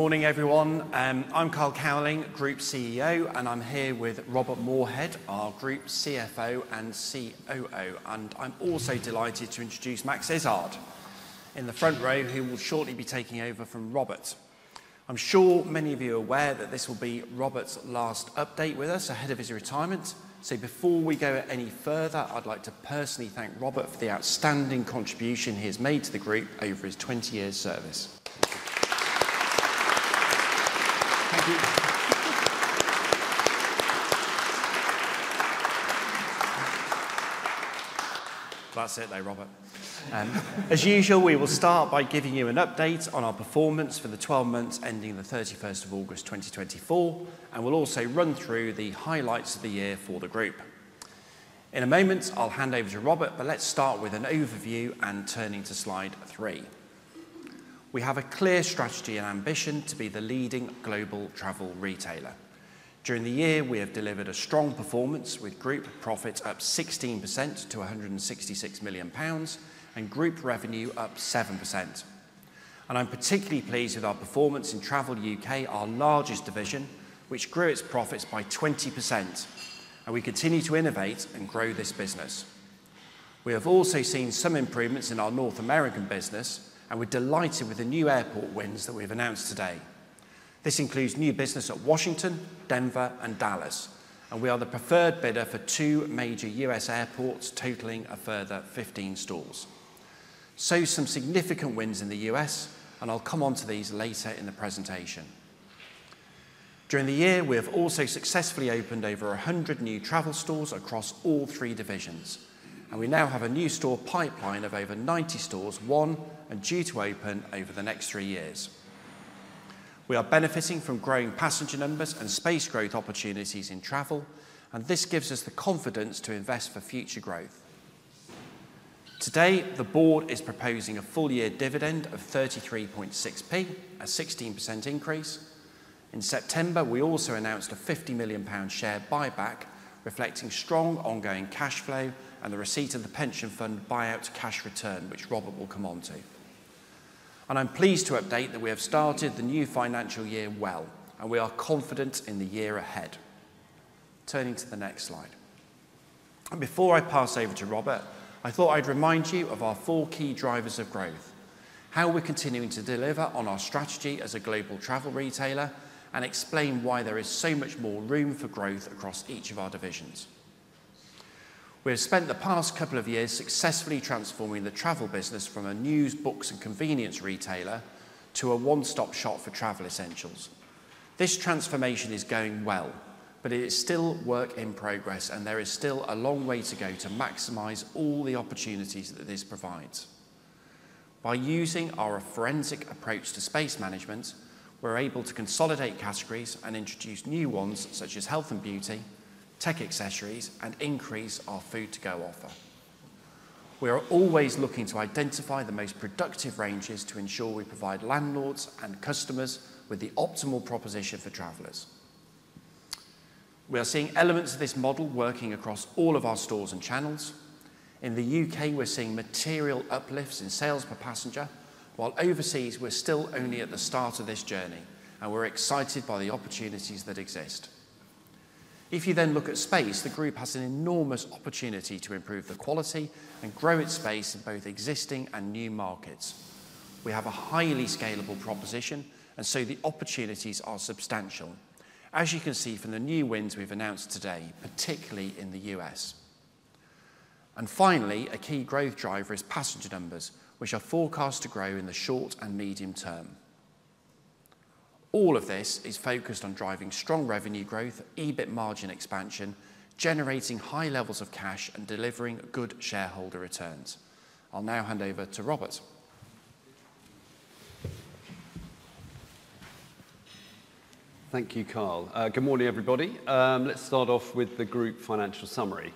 Morning, everyone. I'm Carl Cowling, Group CEO, and I'm here with Robert Moorhead, our Group CFO and COO, and I'm also delighted to introduce Max Izzard in the front row, who will shortly be taking over from Robert. I'm sure many of you are aware that this will be Robert's last update with us ahead of his retirement, so before we go any further, I'd like to personally thank Robert for the outstanding contribution he has made to the Group over his 20 years' service. Thank you. That's it there, Robert. As usual, we will start by giving you an update on our performance for the 12 months ending the 31st of August, 2024, and we'll also run through the highlights of the year for the Group. In a moment, I'll hand over to Robert, but let's start with an overview and turn to Slide three. We have a clear strategy and ambition to be the leading global travel retailer. During the year, we have delivered a strong performance with Group profits up 16% to 166 million pounds and Group revenue up 7%. I'm particularly pleased with our performance in Travel U.K., our largest division, which grew its profits by 20%. We continue to innovate and grow this business. We have also seen some improvements in our North American business, and we're delighted with the new airport wins that we've announced today. This includes new business at Washington, Denver, and Dallas, and we are the preferred bidder for two major U.S. airports, totaling a further 15 stores. Some significant wins in the U.S., and I'll come on to these later in the presentation. During the year, we have also successfully opened over 100 new travel stores across all three divisions, and we now have a new store pipeline of over 90 stores, won due to open over the next three years. We are benefiting from growing passenger numbers and space growth opportunities in travel, and this gives us the confidence to invest for future growth. Today, the board is proposing a full year dividend of 33.6p, a 16% increase. In September, we also announced a 50 million pound share buyback, reflecting strong ongoing cash flow and the receipt of the pension fund buyout cash return, which Robert will come on to. I'm pleased to update that we have started the new financial year well, and we are confident in the year ahead. Turning to the next slide. Before I pass over to Robert, I thought I'd remind you of our four key drivers of growth, how we're continuing to deliver on our strategy as a global travel retailer, and explain why there is so much more room for growth across each of our divisions. We have spent the past couple of years successfully transforming the travel business from a news books and convenience retailer to a one-stop shop for Travel Essentials. This transformation is going well, but it is still work in progress, and there is still a long way to go to maximize all the opportunities that this provides. By using our forensic approach to space management, we're able to consolidate categories and introduce new ones such as health and beauty, tech accessories, and increase our food-to-go offer. We are always looking to identify the most productive ranges to ensure we provide landlords and customers with the optimal proposition for travelers. We are seeing elements of this model working across all of our stores and channels. In the U.K., we're seeing material uplifts in sales per passenger, while overseas we're still only at the start of this journey, and we're excited by the opportunities that exist. If you then look at space, the Group has an enormous opportunity to improve the quality and grow its space in both existing and new markets. We have a highly scalable proposition, and so the opportunities are substantial, as you can see from the new wins we've announced today, particularly in the U.S., and finally, a key growth driver is passenger numbers, which are forecast to grow in the short and medium term. All of this is focused on driving strong revenue growth, EBIT margin expansion, generating high levels of cash, and delivering good shareholder returns. I'll now hand over to Robert. Thank you, Carl. Good morning, everybody. Let's start off with the Group financial summary.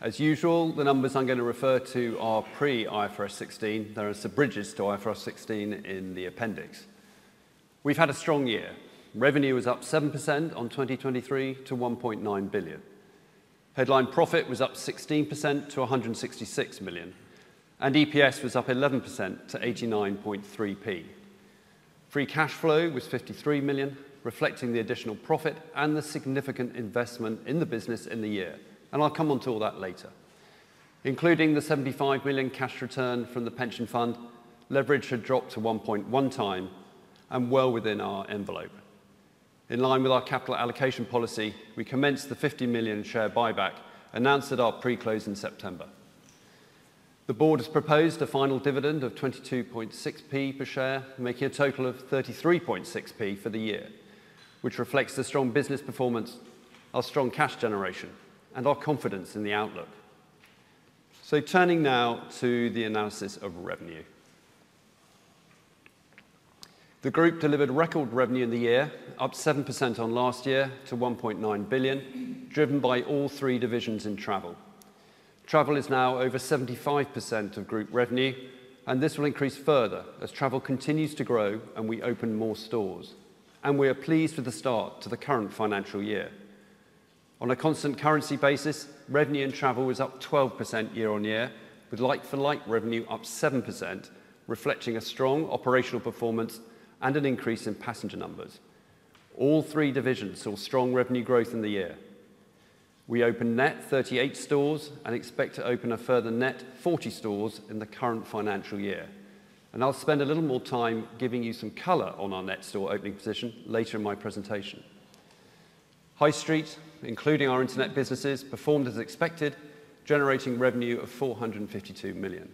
As usual, the numbers I'm going to refer to are pre-IFRS 16. There are some bridges to IFRS 16 in the appendix. We've had a strong year. Revenue was up 7% on 2023 to 1.9 billion. Headline profit was up 16% to 166 million, and EPS was up 11% to 89.3p. Free cash flow was 53 million, reflecting the additional profit and the significant investment in the business in the year. And I'll come on to all that later. Including the 75 million cash return from the pension fund, leverage had dropped to 1.1 times, and well within our envelope. In line with our capital allocation policy, we commenced the 50 million share buyback, announced at our pre-close in September. The board has proposed a final dividend of 22.6p per share, making a total of 33.6p for the year, which reflects the strong business performance, our strong cash generation, and our confidence in the outlook. So turning now to the analysis of revenue. The Group delivered record revenue in the year, up 7% on last year to 1.9 billion, driven by all three divisions in travel. Travel is now over 75% of Group revenue, and this will increase further as travel continues to grow and we open more stores. And we are pleased with the start to the current financial year. On a constant currency basis, revenue in travel was up 12% year-on-year, with like-for-like revenue up 7%, reflecting a strong operational performance and an increase in passenger numbers. All three divisions saw strong revenue growth in the year. We opened net 38 stores and expect to open a further net 40 stores in the current financial year. I'll spend a little more time giving you some color on our net store opening position later in my presentation. High Street, including our internet businesses, performed as expected, generating revenue of 452 million.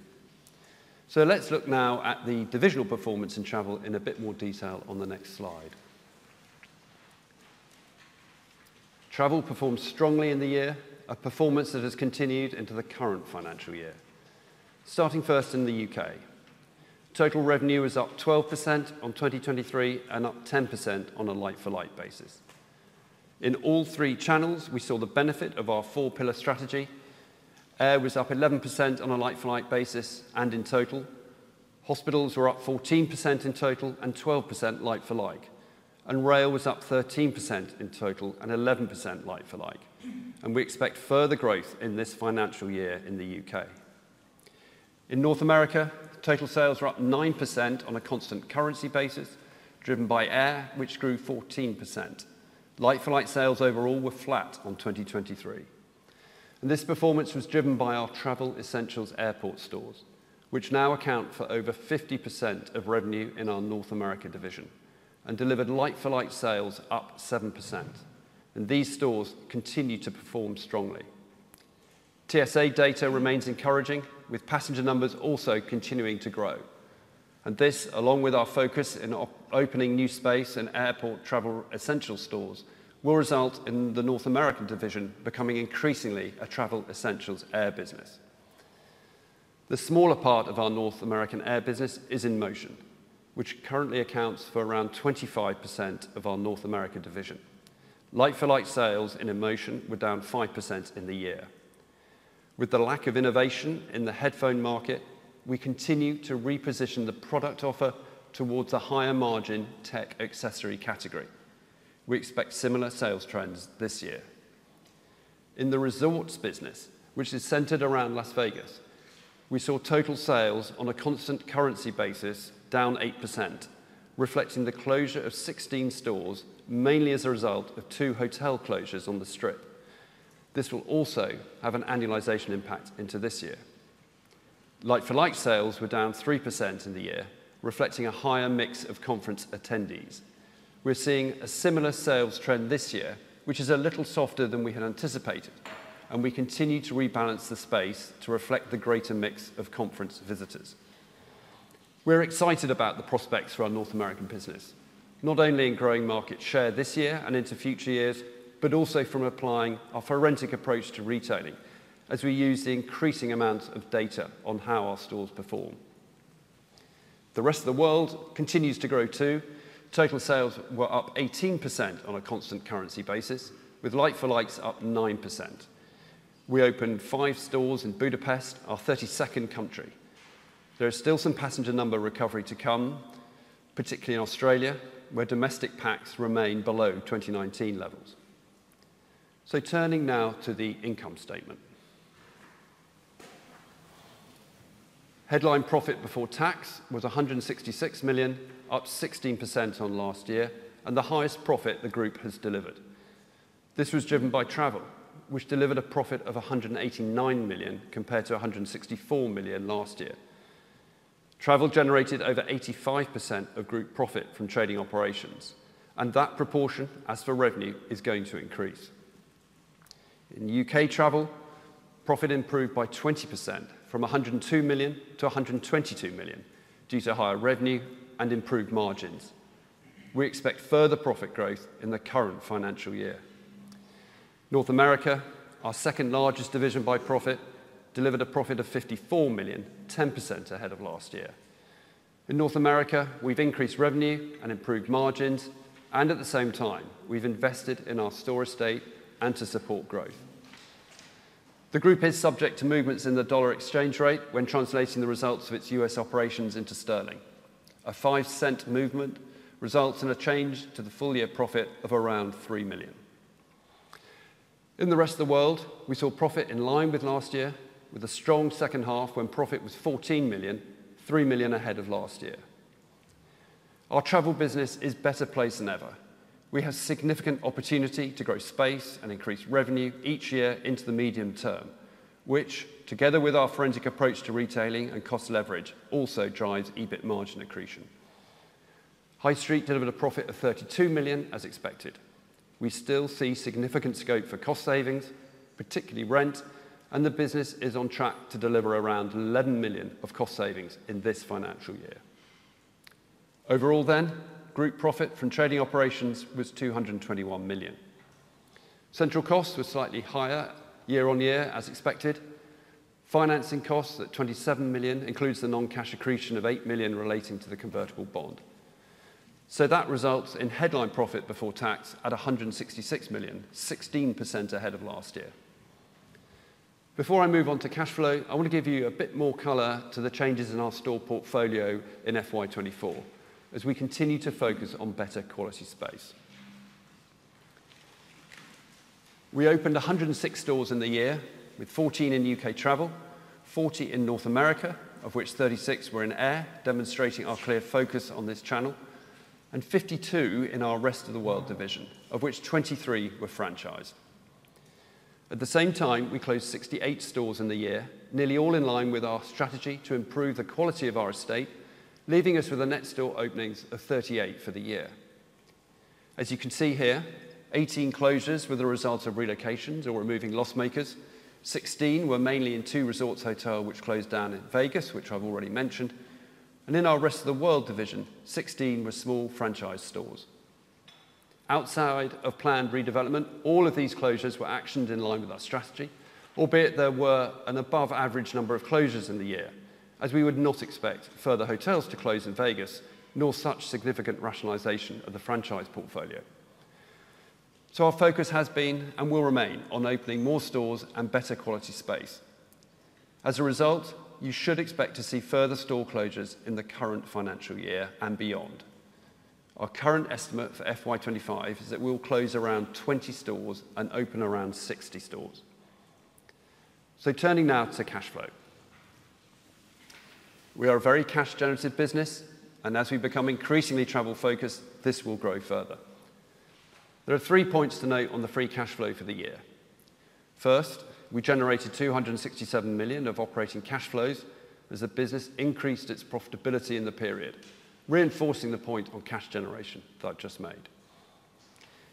Let's look now at the divisional performance in travel in a bit more detail on the next slide. Travel performed strongly in the year, a performance that has continued into the current financial year. Starting first in the U.K., total revenue was up 12% on 2023 and up 10% on a like-for-like basis. In all three channels, we saw the benefit of our four-pillar strategy. Air was up 11% on a like-for-like basis and in total. Hospitals were up 14% in total and 12% like-for-like. Rail was up 13% in total and 11% like-for-like. And we expect further growth in this financial year in the U.K. In North America, total sales were up 9% on a constant currency basis, driven by air, which grew 14%. Like-for-like sales overall were flat on 2023. And this performance was driven by our Travel Essentials airport stores, which now account for over 50% of revenue in our North America division, and delivered like-for-like sales up 7%. And these stores continue to perform strongly. TSA data remains encouraging, with passenger numbers also continuing to grow. And this, along with our focus in opening new space and airport Travel Essentials stores, will result in the North American division becoming increasingly a Travel Essentials air business. The smaller part of our North American air business is InMotion, which currently accounts for around 25% of our North America division. Like-for-like sales in InMotion were down 5% in the year. With the lack of innovation in the headphone market, we continue to reposition the product offer towards a higher margin tech accessory category. We expect similar sales trends this year. In the Resorts business, which is centered around Las Vegas, we saw total sales on a constant currency basis down 8%, reflecting the closure of 16 stores, mainly as a result of two hotel closures on the Strip. This will also have an annualization impact into this year. Like-for-like sales were down 3% in the year, reflecting a higher mix of conference attendees. We're seeing a similar sales trend this year, which is a little softer than we had anticipated, and we continue to rebalance the space to reflect the greater mix of conference visitors. We're excited about the prospects for our North American business, not only in growing market share this year and into future years, but also from applying our forensic approach to retailing, as we use the increasing amount of data on how our stores perform. The Rest of the World continues to grow too. Total sales were up 18% on a constant currency basis, with like-for-likes up 9%. We opened five stores in Budapest, our 32nd country. There is still some passenger number recovery to come, particularly in Australia, where domestic pax remain below 2019 levels, so turning now to the income statement. Headline profit before tax was 166 million, up 16% on last year, and the highest profit the Group has delivered. This was driven by travel, which delivered a profit of 189 million compared to 164 million last year. Travel generated over 85% of Group profit from trading operations, and that proportion as for revenue is going to increase. In U.K. Travel, profit improved by 20% from 102 million to 122 million due to higher revenue and improved margins. We expect further profit growth in the current financial year. North America, our second largest division by profit, delivered a profit of 54 million, 10% ahead of last year. In North America, we've increased revenue and improved margins, and at the same time, we've invested in our store estate and to support growth. The Group is subject to movements in the dollar exchange rate when translating the results of its U.S. operations into sterling. A 5% movement results in a change to the full year profit of around 3 million. In the Rest of the World, we saw profit in line with last year, with a strong second half when profit was 14 million, 3 million ahead of last year. Our travel business is better placed than ever. We have significant opportunity to grow space and increase revenue each year into the medium term, which, together with our forensic approach to retailing and cost leverage, also drives EBIT margin accretion. High Street delivered a profit of 32 million as expected. We still see significant scope for cost savings, particularly rent, and the business is on track to deliver around 11 million of cost savings in this financial year. Overall then, Group profit from trading operations was 221 million. Central costs were slightly higher year on year as expected. Financing costs at 27 million includes the non-cash accretion of 8 million relating to the convertible bond. So that results in headline profit before tax at 166 million, 16% ahead of last year. Before I move on to cash flow, I want to give you a bit more color to the changes in our store portfolio in FY 2024, as we continue to focus on better quality space. We opened 106 stores in the year, with 14 in U.K. Travel, 40 in North America, of which 36 were in air, demonstrating our clear focus on this channel, and 52 in our Rest of the World division, of which 23 were franchised. At the same time, we closed 68 stores in the year, nearly all in line with our strategy to improve the quality of our estate, leaving us with a net store openings of 38 for the year. As you can see here, 18 closures were the result of relocations or removing loss makers. 16 were mainly in two Resorts hotel, which closed down in Vegas, which I've already mentioned. And in our Rest of the World division, 16 were small franchise stores. Outside of planned redevelopment, all of these closures were actioned in line with our strategy, albeit there were an above-average number of closures in the year, as we would not expect further hotels to close in Vegas, nor such significant rationalization of the franchise portfolio. So our focus has been and will remain on opening more stores and better quality space. As a result, you should expect to see further store closures in the current financial year and beyond. Our current estimate for FY 2025 is that we'll close around 20 stores and open around 60 stores. So turning now to cash flow. We are a very cash-generative business, and as we become increasingly travel-focused, this will grow further. There are three points to note on the free cash flow for the year. First, we generated 267 million of operating cash flows as the business increased its profitability in the period, reinforcing the point on cash generation that I've just made.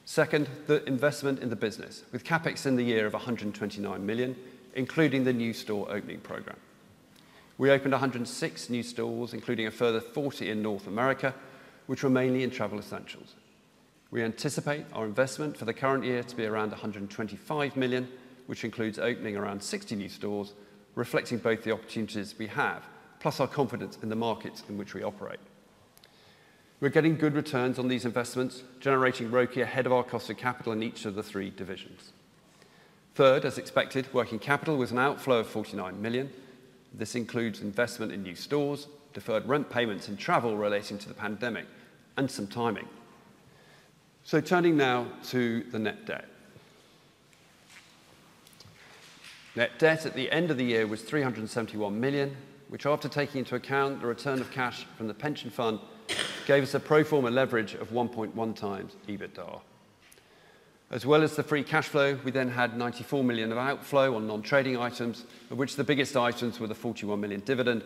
Second, the investment in the business, with CapEx in the year of 129 million, including the new store opening program. We opened 106 new stores, including a further 40 in North America, which were mainly in Travel Essentials. We anticipate our investment for the current year to be around 125 million, which includes opening around 60 new stores, reflecting both the opportunities we have, plus our confidence in the markets in which we operate. We're getting good returns on these investments, generating ROCE ahead of our cost of capital in each of the three divisions. Third, as expected, working capital was an outflow of 49 million. This includes investment in new stores, deferred rent payments in travel relating to the pandemic, and some timing. So turning now to the net debt. Net debt at the end of the year was 371 million, which, after taking into account the return of cash from the pension fund, gave us a pro forma leverage of 1.1 times EBITDA. As well as the free cash flow, we then had 94 million of outflow on non-trading items, of which the biggest items were the 41 million dividend,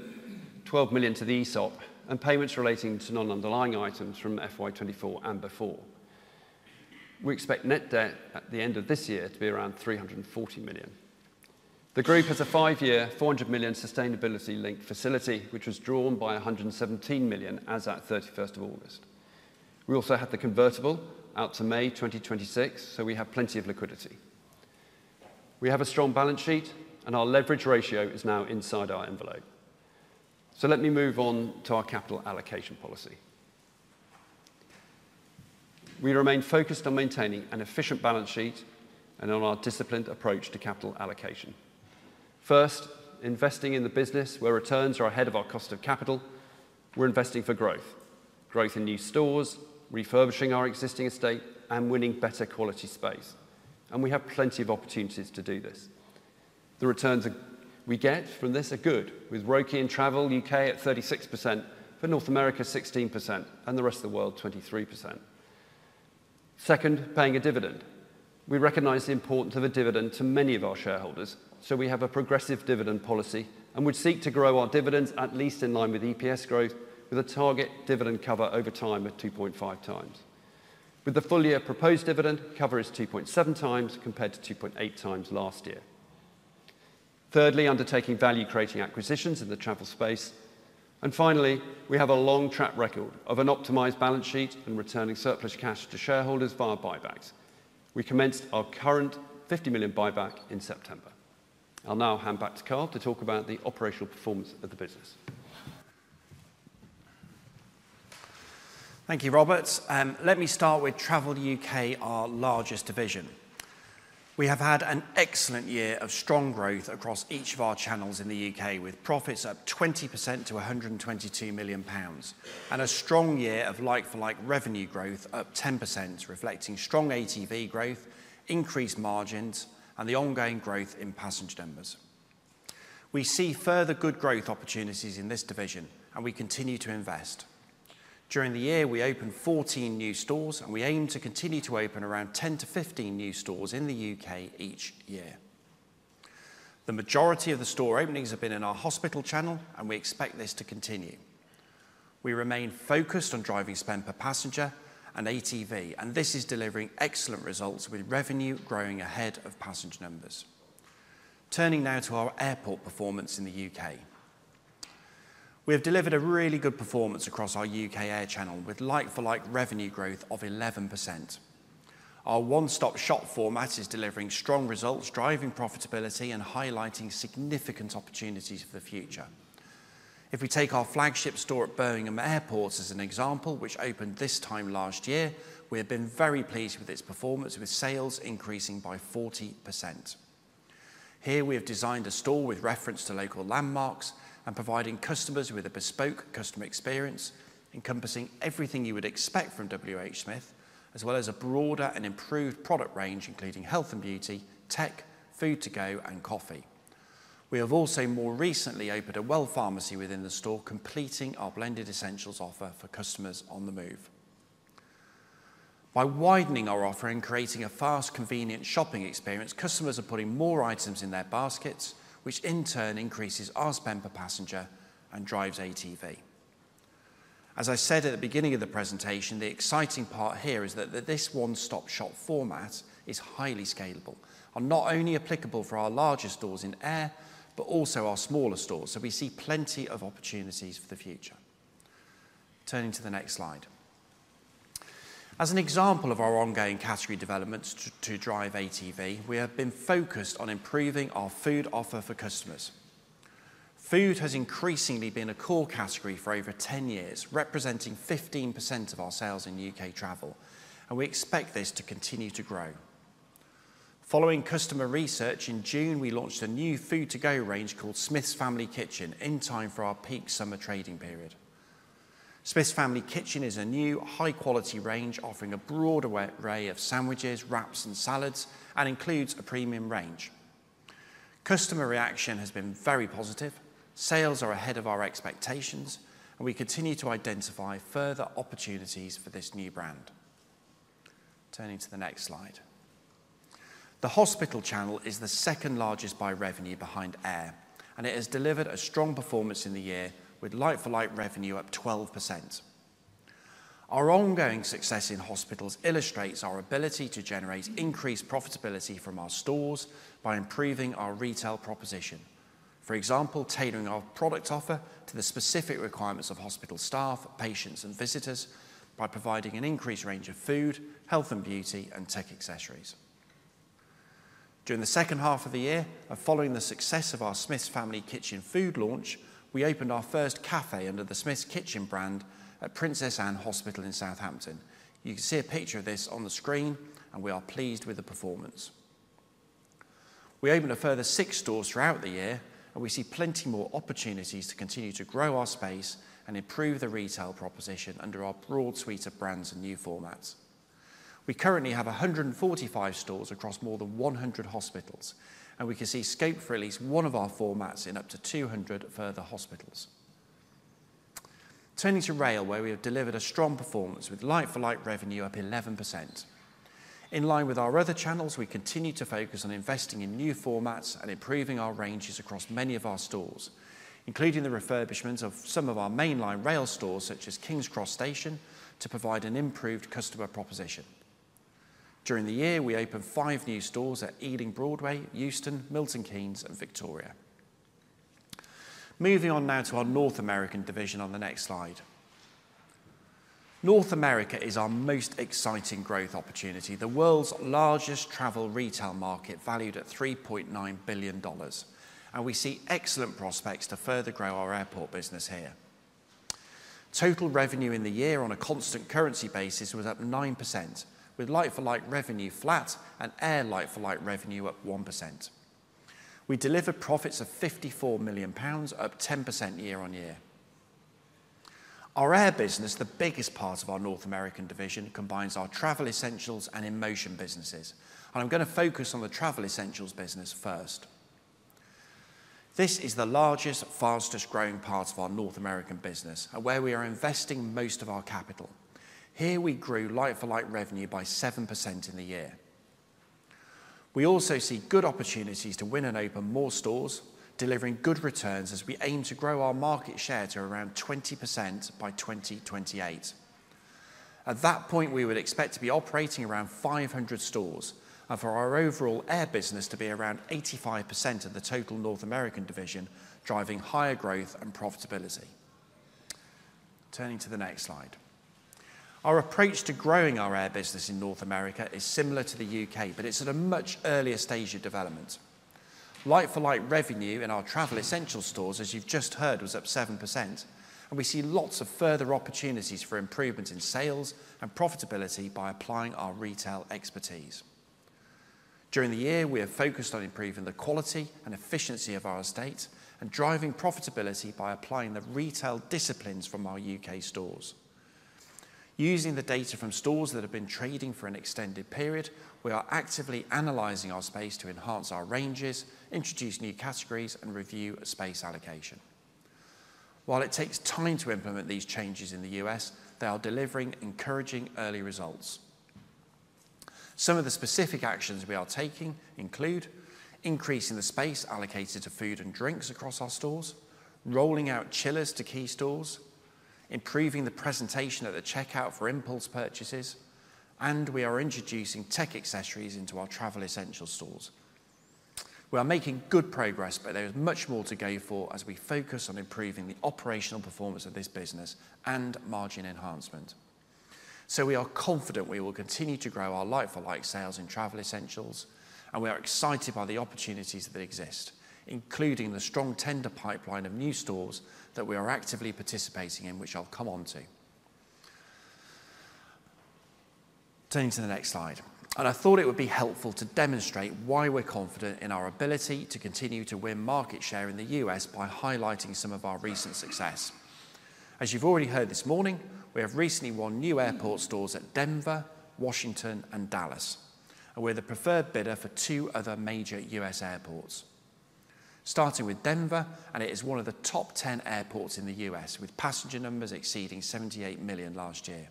12 million to the ESOP, and payments relating to non-underlying items from FY 2024 and before. We expect net debt at the end of this year to be around 340 million. The Group has a five-year, 400 million sustainability-linked facility, which was drawn by 117 million as at 31 August. We also had the convertible out to May 2026, so we have plenty of liquidity. We have a strong balance sheet, and our leverage ratio is now inside our envelope. So let me move on to our capital allocation policy. We remain focused on maintaining an efficient balance sheet and on our disciplined approach to capital allocation. First, investing in the business where returns are ahead of our cost of capital. We're investing for growth, growth in new stores, refurbishing our existing estate, and winning better quality space. And we have plenty of opportunities to do this. The returns we get from this are good, with ROCE in Travel U.K. at 36%, for North America 16%, and the Rest of the World 23%. Second, paying a dividend. We recognize the importance of a dividend to many of our shareholders, so we have a progressive dividend policy and would seek to grow our dividends at least in line with EPS growth, with a target dividend cover over time of 2.5 times. With the full year proposed dividend, cover is 2.7 times compared to 2.8 times last year. Thirdly, undertaking value-creating acquisitions in the travel space. And finally, we have a long track record of an optimized balance sheet and returning surplus cash to shareholders via buybacks. We commenced our current 50 million buyback in September. I'll now hand back to Carl to talk about the operational performance of the business. Thank you, Robert. Let me start with Travel U.K., our largest division. We have had an excellent year of strong growth across each of our channels in the U.K., with profits up 20% to 122 million pounds, and a strong year of like-for-like revenue growth up 10%, reflecting strong ATV growth, increased margins, and the ongoing growth in passenger numbers. We see further good growth opportunities in this division, and we continue to invest. During the year, we opened 14 new stores, and we aim to continue to open around 10-15 new stores in the U.K. each year. The majority of the store openings have been in our hospital channel, and we expect this to continue. We remain focused on driving spend per passenger and ATV, and this is delivering excellent results with revenue growing ahead of passenger numbers. Turning now to our airport performance in the U.K. We have delivered a really good performance across our U.K. air channel with like-for-like revenue growth of 11%. Our one-stop shop format is delivering strong results, driving profitability, and highlighting significant opportunities for the future. If we take our flagship store at Birmingham Airport as an example, which opened this time last year, we have been very pleased with its performance, with sales increasing by 40%. Here, we have designed a store with reference to local landmarks and providing customers with a bespoke customer experience encompassing everything you would expect from WH Smith, as well as a broader and improved product range, including health and beauty, tech, food to go, and coffee. We have also more recently opened a Well Pharmacy within the store, completing our blended essentials offer for customers on the move. By widening our offer and creating a fast, convenient shopping experience, customers are putting more items in their baskets, which in turn increases our spend per passenger and drives ATV. As I said at the beginning of the presentation, the exciting part here is that this one-stop shop format is highly scalable and not only applicable for our larger stores in air, but also our smaller stores. So we see plenty of opportunities for the future. Turning to the next slide. As an example of our ongoing category developments to drive ATV, we have been focused on improving our food offer for customers. Food has increasingly been a core category for over 10 years, representing 15% of our sales in U.K. Travel, and we expect this to continue to grow. Following customer research, in June, we launched a new food-to-go range called Smith's Family Kitchen, in time for our peak summer trading period. Smith's Family Kitchen is a new high-quality range offering a broad array of sandwiches, wraps, and salads, and includes a premium range. Customer reaction has been very positive. Sales are ahead of our expectations, and we continue to identify further opportunities for this new brand. Turning to the next slide. The hospital channel is the second largest by revenue behind air, and it has delivered a strong performance in the year with like-for-like revenue up 12%. Our ongoing success in hospitals illustrates our ability to generate increased profitability from our stores by improving our retail proposition. For example, tailoring our product offer to the specific requirements of hospital staff, patients, and visitors by providing an increased range of food, health and beauty, and tech accessories. During the second half of the year, following the success of our Smith's Family Kitchen food launch, we opened our first café under the Smith's Kitchen brand at Princess Anne Hospital in Southampton. You can see a picture of this on the screen, and we are pleased with the performance. We opened a further six stores throughout the year, and we see plenty more opportunities to continue to grow our space and improve the retail proposition under our broad suite of brands and new formats. We currently have 145 stores across more than 100 hospitals, and we can see scope for at least one of our formats in up to 200 further hospitals. Turning to rail, where we have delivered a strong performance with like-for-like revenue up 11%. In line with our other channels, we continue to focus on investing in new formats and improving our ranges across many of our stores, including the refurbishments of some of our mainline rail stores such as King's Cross Station, to provide an improved customer proposition. During the year, we opened five new stores at Ealing Broadway, Euston, Milton Keynes, and Victoria. Moving on now to our North American division on the next slide. North America is our most exciting growth opportunity, the world's largest travel retail market valued at $3.9 billion, and we see excellent prospects to further grow our airport business here. Total revenue in the year on a constant currency basis was up 9%, with like-for-like revenue flat and air like-for-like revenue up 1%. We delivered profits of 54 million pounds, up 10% year-on-year. Our air business, the biggest part of our North American division, combines our Travel Essentials and InMotion businesses, and I'm going to focus on the Travel Essentials business first. This is the largest, fastest-growing part of our North American business and where we are investing most of our capital. Here, we grew like-for-like revenue by 7% in the year. We also see good opportunities to win and open more stores, delivering good returns as we aim to grow our market share to around 20% by 2028. At that point, we would expect to be operating around 500 stores and for our overall air business to be around 85% of the total North American division, driving higher growth and profitability. Turning to the next slide. Our approach to growing our air business in North America is similar to the U.K., but it's at a much earlier stage of development. Like-for-like revenue in our Travel Essentials stores, as you've just heard, was up 7%, and we see lots of further opportunities for improvements in sales and profitability by applying our retail expertise. During the year, we have focused on improving the quality and efficiency of our estate and driving profitability by applying the retail disciplines from our U.K. stores. Using the data from stores that have been trading for an extended period, we are actively analyzing our space to enhance our ranges, introduce new categories, and review space allocation. While it takes time to implement these changes in the U.S., they are delivering encouraging early results. Some of the specific actions we are taking include increasing the space allocated to food and drinks across our stores, rolling out chillers to key stores, improving the presentation at the checkout for impulse purchases, and we are introducing tech accessories into our Travel Essential Stores. We are making good progress, but there is much more to go for as we focus on improving the operational performance of this business and margin enhancement, so we are confident we will continue to grow our like-for-like sales in Travel Essentials, and we are excited by the opportunities that exist, including the strong tender pipeline of new stores that we are actively participating in, which I'll come on to. Turning to the next slide. And I thought it would be helpful to demonstrate why we're confident in our ability to continue to win market share in the U.S. by highlighting some of our recent success. As you've already heard this morning, we have recently won new airport stores at Denver, Washington, and Dallas, and we're the preferred bidder for two other major U.S. airports. Starting with Denver, and it is one of the top 10 airports in the U.S., with passenger numbers exceeding 78 million last year.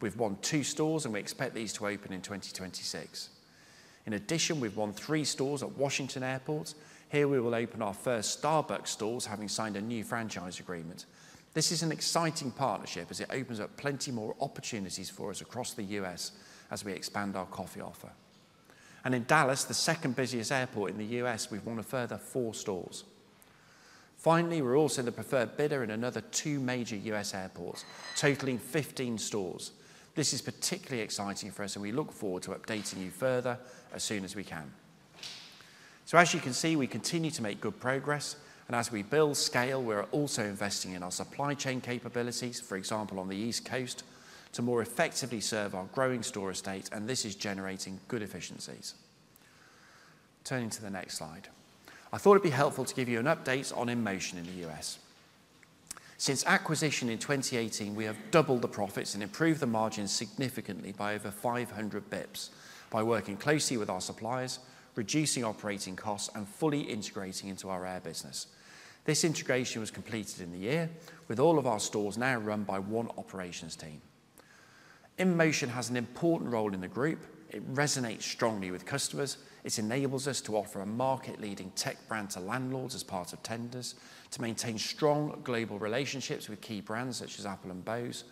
We've won two stores, and we expect these to open in 2026. In addition, we've won three stores at Washington Airport. Here, we will open our first Starbucks stores, having signed a new franchise agreement. This is an exciting partnership as it opens up plenty more opportunities for us across the U.S. as we expand our coffee offer. And in Dallas, the second busiest airport in the U.S., we've won a further four stores. Finally, we're also the preferred bidder in another two major U.S. airports, totaling 15 stores. This is particularly exciting for us, and we look forward to updating you further as soon as we can, so as you can see, we continue to make good progress, and as we build scale, we are also investing in our supply chain capabilities, for example, on the East Coast, to more effectively serve our growing store estate, and this is generating good efficiencies. Turning to the next slide. I thought it'd be helpful to give you an update on InMotion in the U.S. Since acquisition in 2018, we have doubled the profits and improved the margins significantly by over 500 basis points by working closely with our suppliers, reducing operating costs, and fully integrating into our Travel business. This integration was completed in the year, with all of our stores now run by one operations team. InMotion has an important role in the group. It resonates strongly with customers. It enables us to offer a market-leading tech brand to landlords as part of tenders, to maintain strong global relationships with key brands such as Apple and Bose,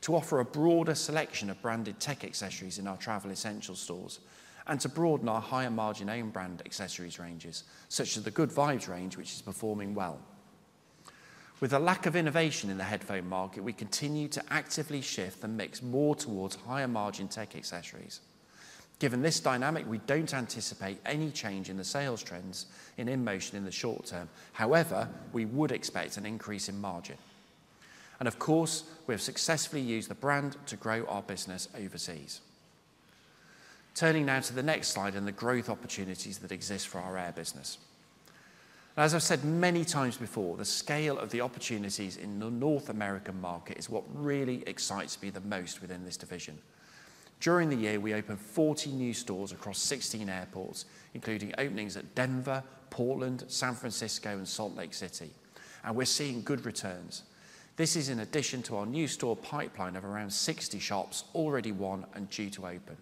to offer a broader selection of branded tech accessories in our travel essential stores, and to broaden our higher-margin own brand accessories ranges, such as the Good Vibes range, which is performing well. With a lack of innovation in the headphone market, we continue to actively shift and mix more towards higher-margin tech accessories. Given this dynamic, we don't anticipate any change in the sales trends in InMotion in the short term. However, we would expect an increase in margin. Of course, we have successfully used the brand to grow our business overseas. Turning now to the next slide and the growth opportunities that exist for our air business. As I've said many times before, the scale of the opportunities in the North American market is what really excites me the most within this division. During the year, we opened 40 new stores across 16 airports, including openings at Denver, Portland, San Francisco, and Salt Lake City. We're seeing good returns. This is in addition to our new store pipeline of around 60 shops already won and due to open.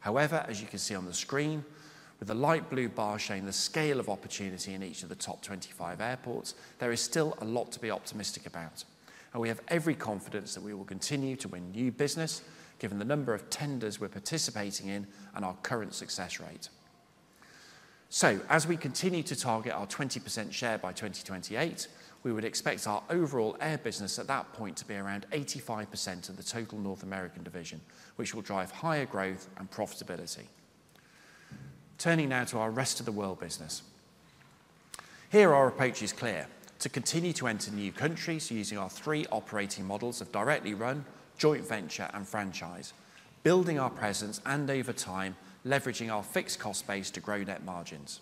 However, as you can see on the screen, with the light blue bar showing the scale of opportunity in each of the top 25 airports, there is still a lot to be optimistic about. We have every confidence that we will continue to win new business, given the number of tenders we're participating in and our current success rate. As we continue to target our 20% share by 2028, we would expect our overall air business at that point to be around 85% of the total North American division, which will drive higher growth and profitability. Turning now to our Rest of the World business. Here, our approach is clear: to continue to enter new countries using our three operating models of directly run, joint venture, and franchise, building our presence and over time, leveraging our fixed cost base to grow net margins.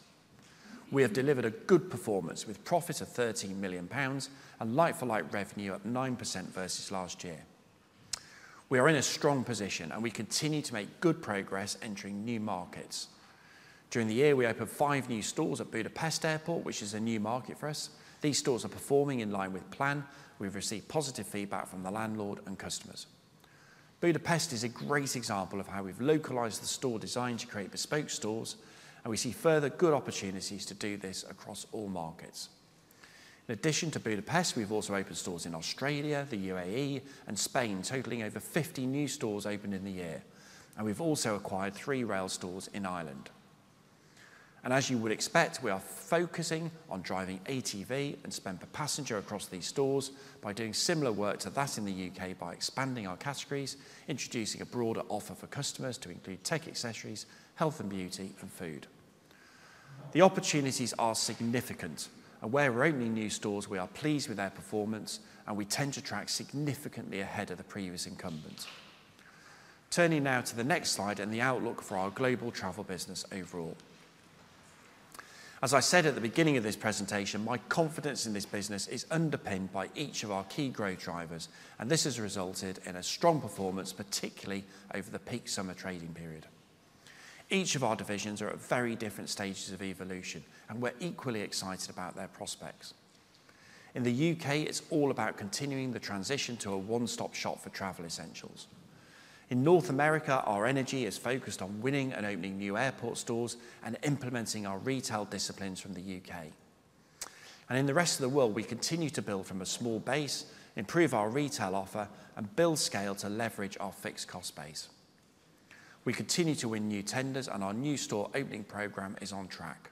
We have delivered a good performance with profits of 13 million pounds and like-for-like revenue up 9% versus last year. We are in a strong position, and we continue to make good progress entering new markets. During the year, we opened five new stores at Budapest Airport, which is a new market for us. These stores are performing in line with plan. We've received positive feedback from the landlord and customers. Budapest is a great example of how we've localized the store design to create bespoke stores, and we see further good opportunities to do this across all markets. In addition to Budapest, we've also opened stores in Australia, the UAE, and Spain, totaling over 50 new stores opened in the year. And we've also acquired three rail stores in Ireland. And as you would expect, we are focusing on driving ATV and spend per passenger across these stores by doing similar work to that in the U.K. by expanding our categories, introducing a broader offer for customers to include tech accessories, health and beauty, and food. The opportunities are significant, and where we're opening new stores, we are pleased with our performance, and we tend to track significantly ahead of the previous incumbent. Turning now to the next slide and the outlook for our global travel business overall. As I said at the beginning of this presentation, my confidence in this business is underpinned by each of our key growth drivers, and this has resulted in a strong performance, particularly over the peak summer trading period. Each of our divisions are at very different stages of evolution, and we're equally excited about their prospects. In the U.K., it's all about continuing the transition to a one-stop shop for Travel Essentials. In North America, our energy is focused on winning and opening new airport stores and implementing our retail disciplines from the U.K. In the Rest of the World, we continue to build from a small base, improve our retail offer, and build scale to leverage our fixed cost base. We continue to win new tenders, and our new store opening program is on track.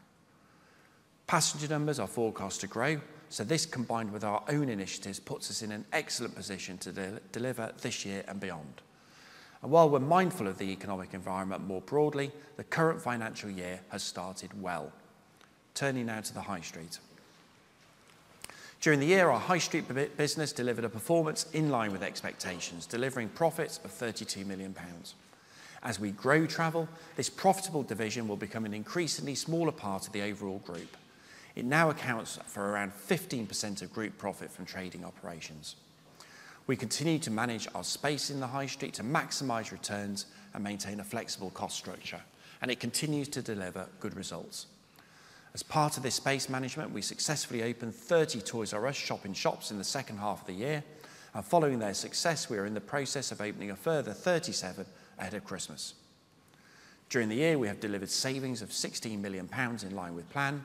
Passenger numbers are forecast to grow, so this combined with our own initiatives puts us in an excellent position to deliver this year and beyond. While we're mindful of the economic environment more broadly, the current financial year has started well. Turning now to the High Street. During the year, our High Street business delivered a performance in line with expectations, delivering profits of 32 million pounds. As we grow travel, this profitable division will become an increasingly smaller part of the overall group. It now accounts for around 15% of group profit from trading operations. We continue to manage our space in the High Street to maximize returns and maintain a flexible cost structure, and it continues to deliver good results. As part of this space management, we successfully opened 30 Toys "R" Us shop-in-shops in the second half of the year, and following their success, we are in the process of opening a further 37 ahead of Christmas. During the year, we have delivered savings of 16 million pounds in line with plan.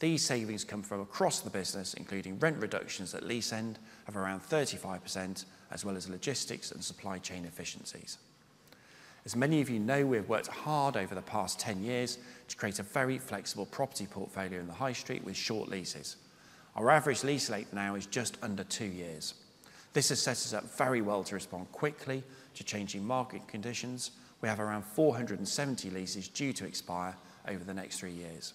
These savings come from across the business, including rent reductions at lease end of around 35%, as well as logistics and supply chain efficiencies. As many of you know, we have worked hard over the past 10 years to create a very flexible property portfolio in the High Street with short leases. Our average lease length now is just under two years. This has set us up very well to respond quickly to changing market conditions. We have around 470 leases due to expire over the next three years.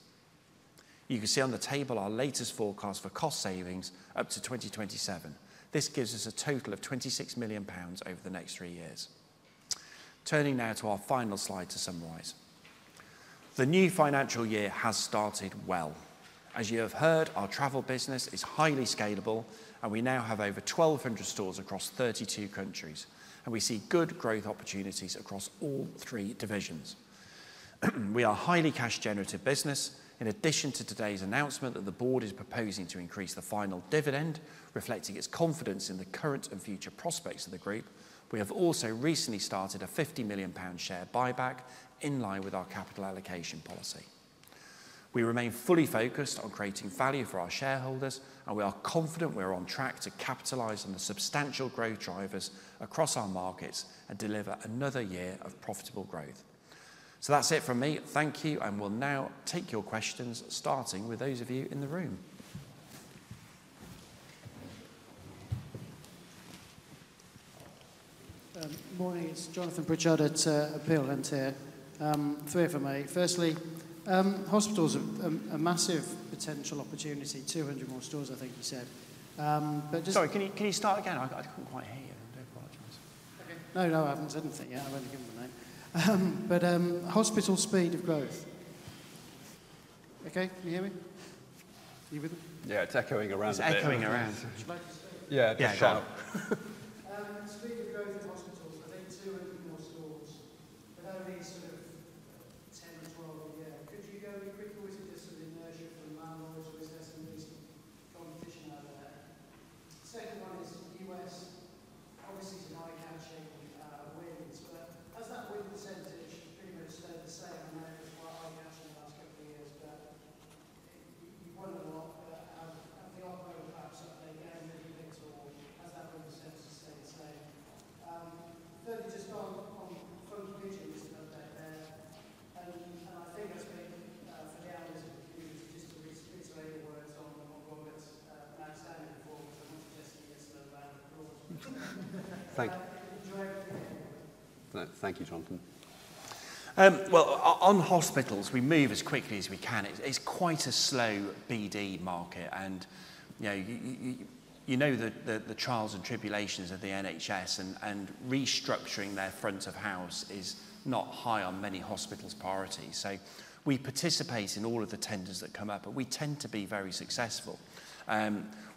You can see on the table our latest forecast for cost savings up to 2027. This gives us a total of 26 million pounds over the next three years. Turning now to our final slide to summarize. The new financial year has started well. As you have heard, our travel business is highly scalable, and we now have over 1,200 stores across 32 countries, and we see good growth opportunities across all three divisions. We are a highly cash-generative business. In addition to today's announcement that the board is proposing to increase the final dividend, reflecting its confidence in the current and future prospects of the group, we have also recently started a 50 million pound share buyback in line with our capital allocation policy. We remain fully focused on creating value for our shareholders, and we are confident we are on track to capitalize on the substantial growth drivers across our markets and deliver another year of profitable growth. So that's it from me. Thank you, and we'll now take your questions, starting with those of you in the room. Morning. It's Jonathan Pritchard at Peel Hunt here. Three of them, mate. Firstly, hospitals are a massive potential opportunity, 200 more stores, I think you said. But just, sorry, can you start again? I couldn't quite hear you. I apologize. Okay. No, no, I haven't said anything yet. I've only given them a name. Well, on hospitals, we move as quickly as we can. It's quite a slow BD market, and you know the trials and tribulations of the NHS, and restructuring their front of house is not high on many hospitals' priorities. So we participate in all of the tenders that come up, but we tend to be very successful.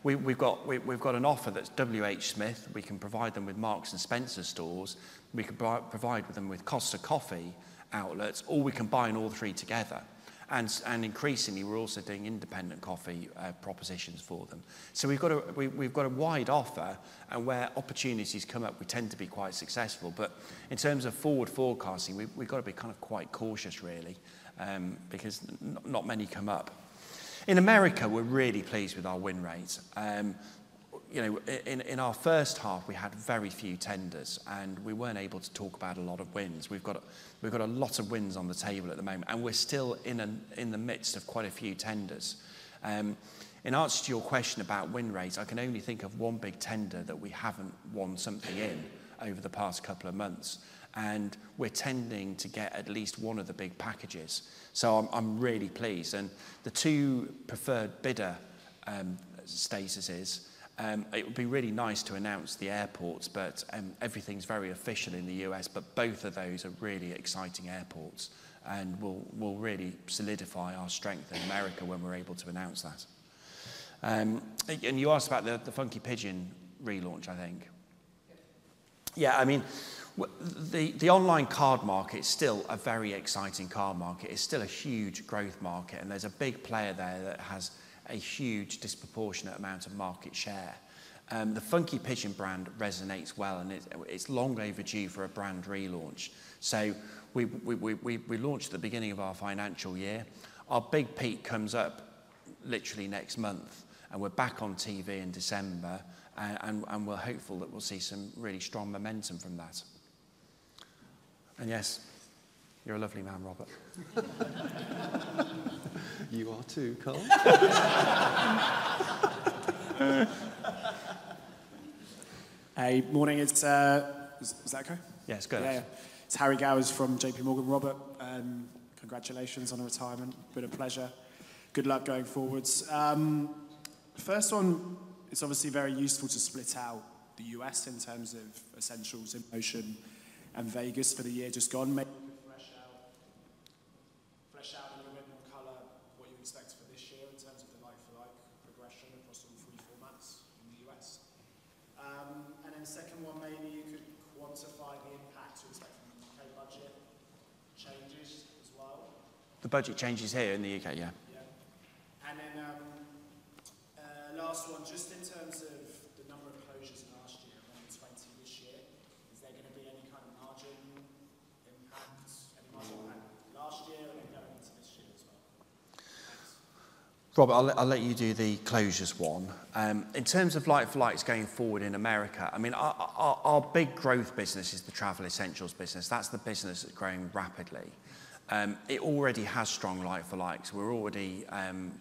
We've got an offer that's WH Smith. We can provide them with Marks and Spencer stores. We can provide them with Costa Coffee outlets, or we can buy in all three together. And increasingly, we're also doing independent coffee propositions for them. So we've got a wide offer, and where opportunities come up, we tend to be quite successful. But in terms of forward forecasting, we've got to be kind of quite cautious, really, because not many come up. In America, we're really pleased with our win rates. In our first half, we had very few tenders, and we weren't able to talk about a lot of wins. We've got a lot of wins on the table at the moment, and we're still in the midst of quite a few tenders. In answer to your question about win rates, I can only think of one big tender that we haven't won something in over the past couple of months, and we're tending to get at least one of the big packages. So I'm really pleased. And the two preferred bidder statuses, it would be really nice to announce the airports, but everything's very official in the U.S., but both of those are really exciting airports, and we'll really solidify our strength in America when we're able to announce that. And you asked about the Funky Pigeon relaunch, I think. Yeah, I mean, the online card market is still a very exciting card market. It's still a huge growth market, and there's a big player there that has a huge disproportionate amount of market share. The Funky Pigeon brand resonates well, and it's long overdue for a brand relaunch. So we launched at the beginning of our financial year. Our big peak comes up literally next month, and we're back on TV in December, and we're hopeful that we'll see some really strong momentum from that. And yes, you're a lovely man, Robert. You are too, Carl. Hey, morning. Is that okay? Yeah, it's good. It's Harry Gowers from JPMorgan. Robert, congratulations on a retirement. Been a pleasure. Good luck going forwards. First one, it's obviously very useful to split out the U.S. in terms of essentials, InMotion and Vegas for the year just gone. Maybe you could flesh out a little bit more color what you expect for this year in terms of the like-for-like progression across all three formats in the U.S. And then second one, maybe you could quantify the impact you expect from the U.K. Budget changes as well. The Budget changes here in the U.K., yeah. Yeah. And then last one, It already has strong like-for-likes. We're already,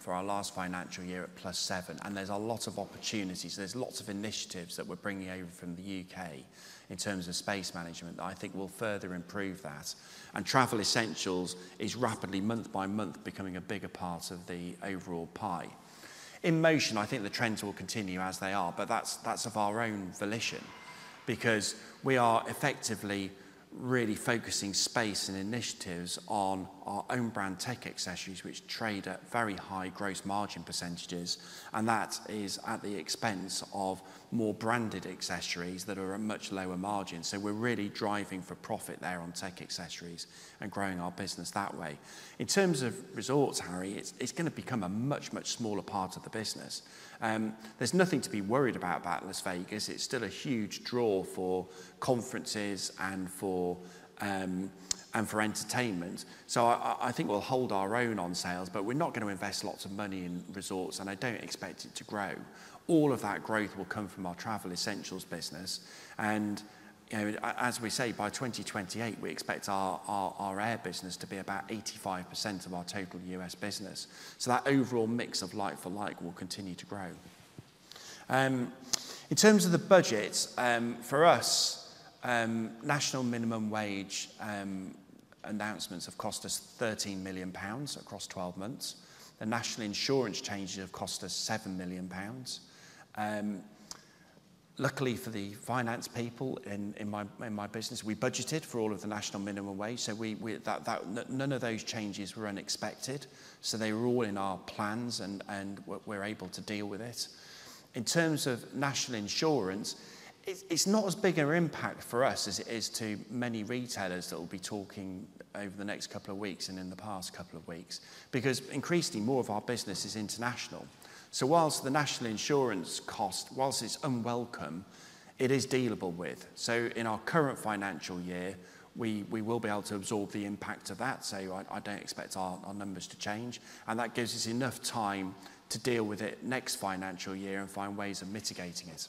for our last financial year, at plus seven, and there's a lot of opportunities. There's lots of initiatives that we're bringing over from the U.K. in terms of space management that I think will further improve that, and Travel Essentials is rapidly, month by month, becoming a bigger part of the overall pie. InMotion, I think the trends will continue as they are, but that's of our own volition because we are effectively really focusing space and initiatives on our own brand tech accessories, which trade at very high gross margin percentages, and that is at the expense of more branded accessories that are at much lower margins. So we're really driving for profit there on tech accessories and growing our business that way. In terms of Resorts, Harry, it's going to become a much, much smaller part of the business. There's nothing to be worried about Las Vegas. It's still a huge draw for conferences and for entertainment. So I think we'll hold our own on sales, but we're not going to invest lots of money in Resorts, and I don't expect it to grow. All of that growth will come from our Travel Essentials business. And as we say, by 2028, we expect our air business to be about 85% of our total U.S. business. So that overall mix of like-for-like will continue to grow. In terms of the Budget, for us, National Minimum Wage announcements have cost us 13 million pounds across 12 months. The National Insurance changes have cost us 7 million pounds. Luckily for the finance people in my business, we budgeted for all of the National Minimum Wage, so none of those changes were unexpected, so they were all in our plans and we're able to deal with it. In terms of National Insurance, it's not as big an impact for us as it is to many retailers that will be talking over the next couple of weeks and in the past couple of weeks because increasingly more of our business is international. So whilst the National Insurance cost, whilst it's unwelcome, it is dealable with. So in our current financial year, we will be able to absorb the impact of that. So I don't expect our numbers to change, and that gives us enough time to deal with it next financial year and find ways of mitigating it.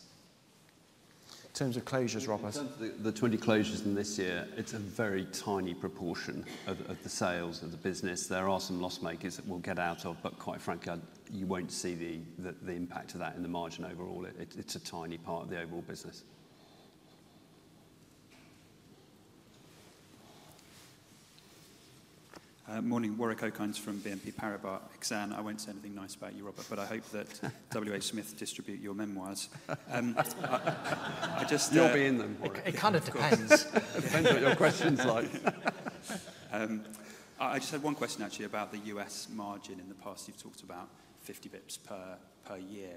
In terms of closures, Robert? The 20 closures in this year, it's a very tiny proportion of the sales of the business. There are some loss-makers that we'll get out of, but quite frankly, you won't see the impact of that in the margin overall. It's a tiny part of the overall business. Morning, Warwick Okines from BNP Paribas Exane, I won't say anything nice about you, Robert, but I hope that WH Smith distribute your memoirs. You'll be in them. It kind of depends. It depends what your question's like. I just had one question, actually, about the U.S. margin in the past. You've talked about 50 basis points per year.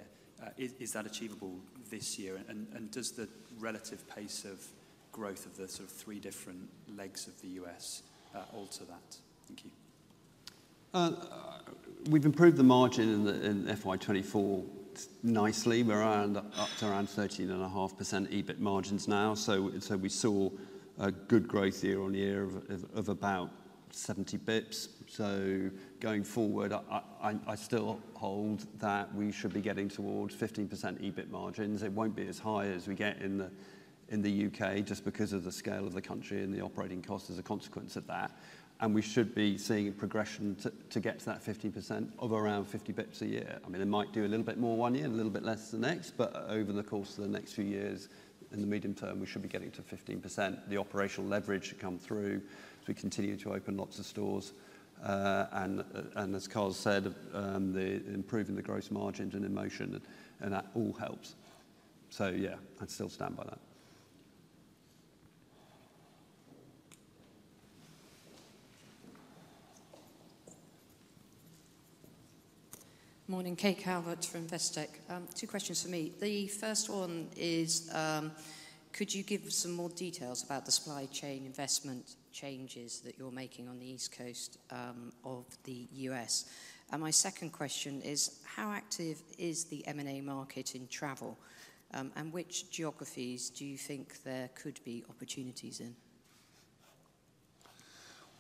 Is that achievable this year? And does the relative pace of growth of the sort of three different legs of the U.S. alter that? Thank you. We've improved the margin in FY 2024 nicely. We're up to around 13.5% EBIT margins now. So we saw a good growth year-on-year of about 70 basis points. So going forward, I still hold that we should be getting towards 15% EBIT margins. It won't be as high as we get in the U.K.just because of the scale of the country and the operating cost as a consequence of that. And we should be seeing a progression to get to that 15% of around 50 basis points a year. I mean, it might do a little bit more one year, a little bit less the next, but over the course of the next few years, in the medium term, we should be getting to 15%. The operational leverage should come through as we continue to open lots of stores. And as Carl said, improving the gross margins and InMotion, and that all helps. So yeah, I'd still stand by that. Morning, Kate Calvert from Investec. Two questions for me. The first one is, could you give some more details about the supply chain investment changes that you're making on the East Coast of the U.S.? And my second question is, how active is the M&A market in travel? And which geographies do you think there could be opportunities in?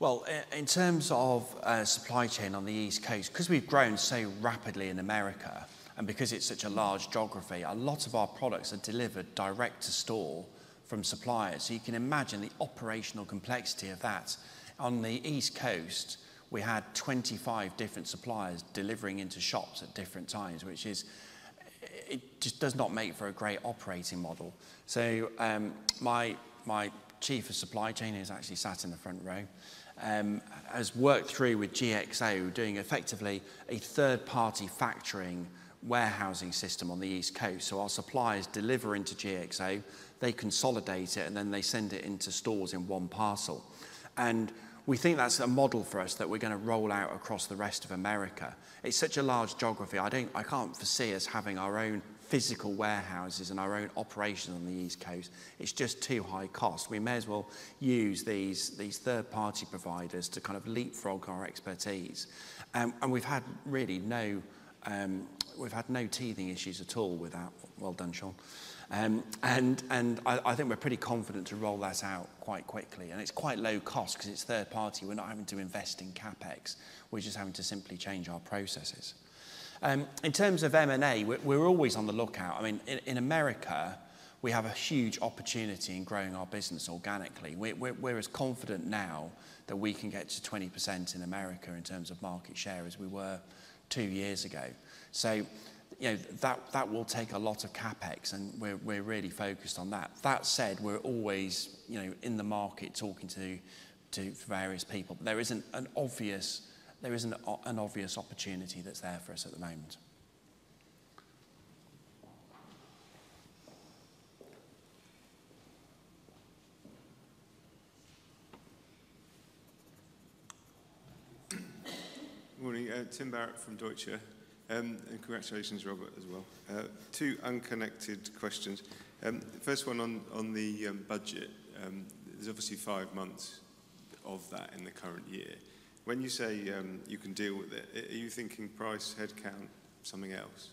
Well, in terms of supply chain on the East Coast, because we've grown so rapidly in America and because it's such a large geography, a lot of our products are delivered direct to store from suppliers. So you can imagine the operational complexity of that. On the East Coast, we had 25 different suppliers delivering into shops at different times, which just does not make for a great operating model. My Chief of Supply Chain has actually sat in the front row and has worked through with GXO, doing effectively a third-party factoring warehousing system on the East Coast. Our suppliers deliver into GXO. They consolidate it, and then they send it into stores in one parcel. We think that's a model for us that we're going to roll out across the rest of America. It's such a large geography. I can't foresee us having our own physical warehouses and our own operations on the East Coast. It's just too high cost. We may as well use these third-party providers to kind of leapfrog our expertise. We've had really no teething issues at all with that. Well done, Sean. I think we're pretty confident to roll that out quite quickly. It's quite low cost because it's third-party. We're not having to invest in CapEx. We're just having to simply change our processes. In terms of M&A, we're always on the lookout. I mean, in America, we have a huge opportunity in growing our business organically. We're as confident now that we can get to 20% in America in terms of market share as we were two years ago. So that will take a lot of CapEx, and we're really focused on that. That said, we're always in the market talking to various people. There isn't an obvious opportunity that's there for us at the moment. Morning, Tim Barrett from Deutsche, and congratulations, Robert, as well. Two unconnected questions. First one on the Budget. There's obviously five months of that in the current year. When you say you can deal with it, are you thinking price, headcount, something else,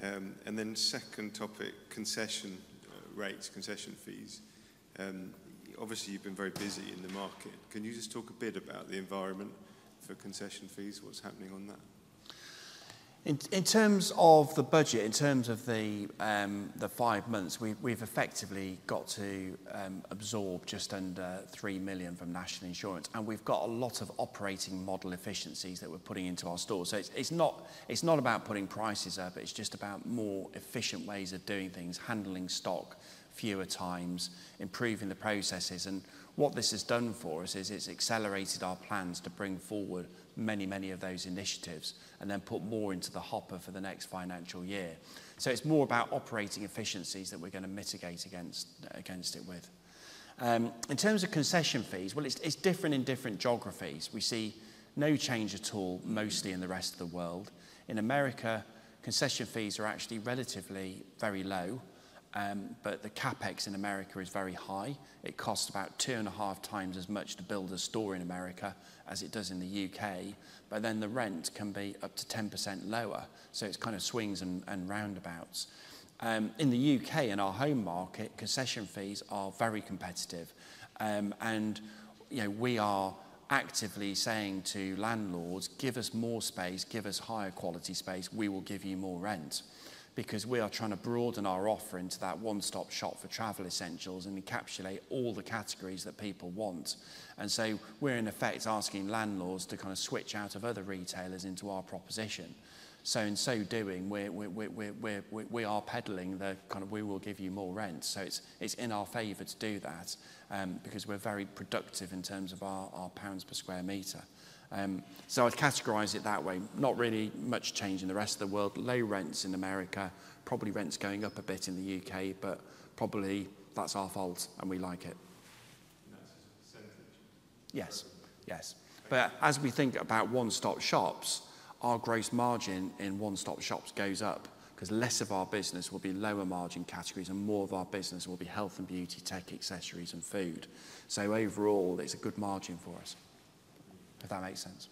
and then second topic, concession rates, concession fees. Obviously, you've been very busy in the market. Can you just talk a bit about the environment for concession fees, what's happening on that? In terms of the Budget, in terms of the five months, we've effectively got to absorb just under 3 million from National Insurance. We've got a lot of operating model efficiencies that we're putting into our stores. It's not about putting prices up, it's just about more efficient ways of doing things, handling stock fewer times, improving the processes. What this has done for us is it's accelerated our plans to bring forward many, many of those initiatives and then put more into the hopper for the next financial year. It's more about operating efficiencies that we're going to mitigate against it with. In terms of concession fees, it's different in different geographies. We see no change at all, mostly in the Rest of the World. In America, concession fees are actually relatively very low, but the CapEx in America is very high. It costs about two and a half times as much to build a store in America as it does in the U.K., but then the rent can be up to 10% lower. So it's kind of swings and roundabouts. In the U.K., in our home market, concession fees are very competitive. And we are actively saying to landlords, "Give us more space, give us higher quality space, we will give you more rent." Because we are trying to broaden our offer into that one-stop shop for Travel Essentials and encapsulate all the categories that people want. And so we're in effect asking landlords to kind of switch out of other retailers into our proposition. So in so doing, we are peddling the kind of, "We will give you more rent." So it's in our favor to do that because we're very productive in terms of our pounds per square meter. So I'd categorize it that way. Not really much change in the Rest of the World. Low rents in America, probably rents going up a bit in the UK, but probably that's our fault and we like it. That's just a percentage. Yes. Yes. But as we think about one-stop shops, our gross margin in one-stop shops goes up because less of our business will be lower margin categories and more of our business will be health and beauty, tech accessories, and food. So overall, it's a good margin for us, if that makes sense.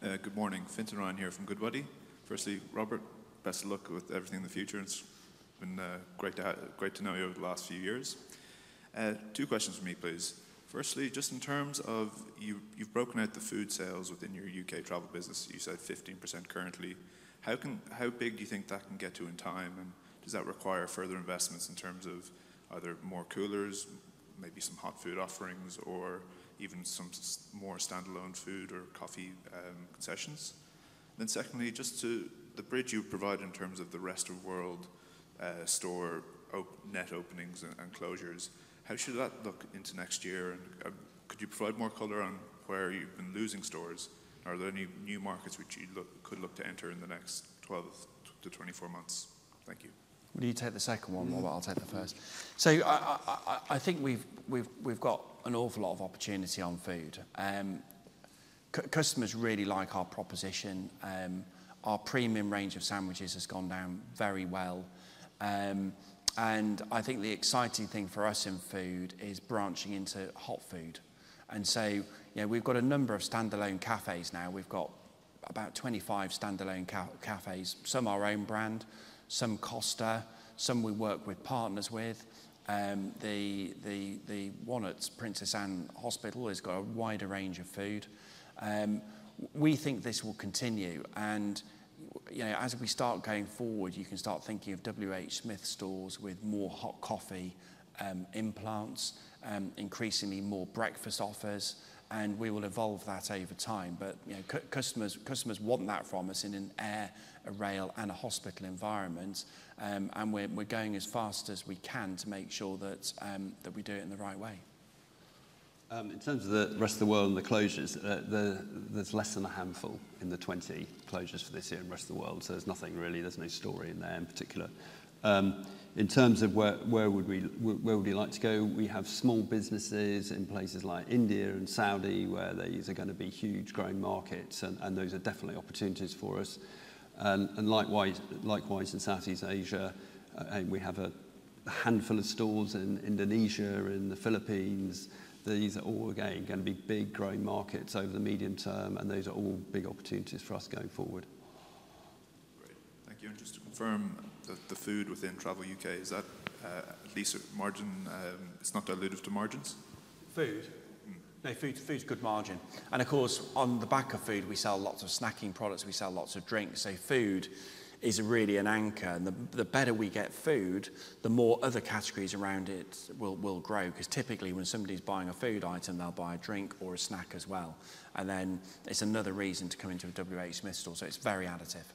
Good morning. Fintan Ryan here from Goodbody. Firstly, Robert, best of luck with everything in the future. It's been great to know you over the last few years. Two questions for me, please. Firstly, just in terms of you've broken out the food sales within your U.K. Travel business. You said 15% currently. How big do you think that can get to in time? And does that require further investments in terms of either more coolers, maybe some hot food offerings, or even some more standalone food or coffee concessions? Then secondly, just the bridge you provide in terms of the rest of world store, net openings and closures, how should that look into next year? And could you provide more color on where you've been losing stores? Are there any new markets which you could look to enter in the next 12-24 months? Thank you. You take the second one more, but I'll take the first. So I think we've got an awful lot of opportunity on food. Customers really like our proposition. Our premium range of sandwiches has gone down very well. And I think the exciting thing for us in food is branching into hot food. And so we've got a number of standalone cafes now. We've got about 25 standalone cafes, some our own brand, some Costa, some we work with partners with. The Southampton Princess Anne Hospital has got a wider range of food. We think this will continue. And as we start going forward, you can start thinking of WH Smith stores with more hot coffee implants, increasingly more breakfast offers, and we will evolve that over time. But customers want that from us in an airport, rail, and hospital environment. And we're going as fast as we can to make sure that we do it in the right way. In terms of the Rest of the World and the closures, there's less than a handful in the 20 closures for this year in the Rest of the World. So there's nothing really, there's no story in there in particular. In terms of where would we like to go, we have small businesses in places like India and Saudi where these are going to be huge growing markets, and those are definitely opportunities for us. Likewise in Southeast Asia, we have a handful of stores in Indonesia, in the Philippines. These are all, again, going to be big growing markets over the medium term, and those are all big opportunities for us going forward. Great. Thank you. And just to confirm, the food within Travel U.K., is that at least margin, it's not diluted to margins? Food? No, food's good margin. Of course, on the back of food, we sell lots of snacking products, we sell lots of drinks. Food is really an anchor. The better we get food, the more other categories around it will grow. Because typically, when somebody's buying a food item, they'll buy a drink or a snack as well. It's another reason to come into a WH Smith store. It's very additive.